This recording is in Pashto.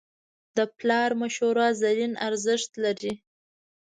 د پلار مشوره زرین ارزښت لري.